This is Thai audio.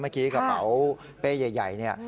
เมื่อกี้กระเป๋าเป้ใหญ่เนี่ย